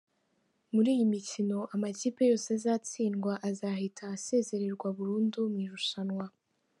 Muri iyi mikino, amakipe yose azatsindwa azahita asezererwa burundu mu irushanwa.